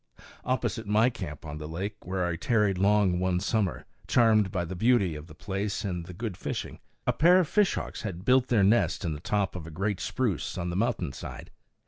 Opposite my camp on the lake, where I tarried long one summer, charmed by the beauty of the place and the good fishing, a pair of fishhawks had built their nest in the top of a great spruce on the mountain side.